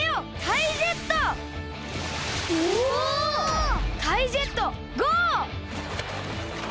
タイジェットゴー！